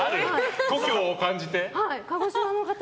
故郷を感じて？